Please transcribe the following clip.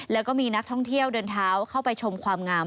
แล้วก็มีนักท่องเที่ยวเดินเท้าเข้าไปชมความงาม